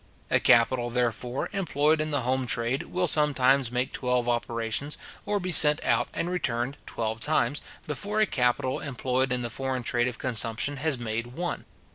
A capital, therefore, employed in the home trade, will sometimes make twelve operations, or be sent out and returned twelve times, before a capital employed in the foreign trade of consumption has made one.